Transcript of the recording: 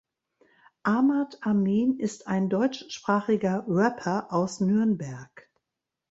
Ahmad Amin ist ein deutschsprachiger Rapper aus Nürnberg.